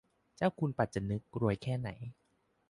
เจ้าคุณปัจจนึก รวยแค่ไหน